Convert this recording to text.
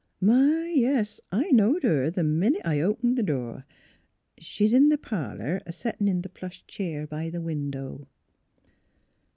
My, yes; I knowed her th' minute I opened th' door. She's in th' parlour a settin' in th' plush cheer b' th' window."